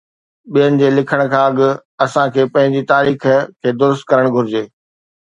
ٻين جي لکڻ کان اڳ، اسان کي پنهنجي تاريخ کي درست ڪرڻ گهرجي.